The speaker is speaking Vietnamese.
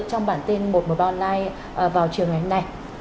trong bản tin một trăm một mươi ba online vào chiều ngày hôm nay